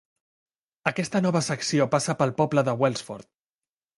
Aquesta nova secció passa pel poble de Welsford.